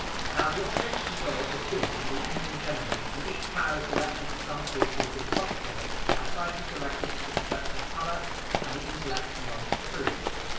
Now the object of the will is good and the end in general, and each power is directed to some suitable good proper to it, as sight is directed to the perception of color, and the intellect to the knowledge of truth.